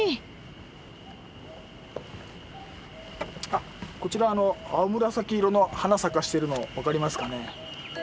あこちらあの青紫色の花咲かしてるの分かりますかね？